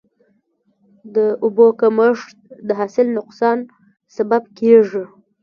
د اوبو کمښت د حاصل نقصان سبب کېږي.